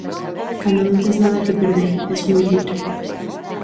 Cando non tes nada que perder, es moi libre.